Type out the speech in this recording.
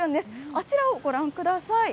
あちらをご覧ください。